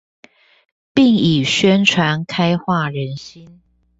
並以宣傳開化人心